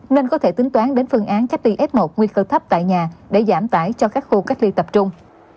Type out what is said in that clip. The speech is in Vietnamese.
nên có thể tính toán đến phương án cách ly f một nguy cơ thấp tại nhà để giảm tải cho các khu cách ly tập trung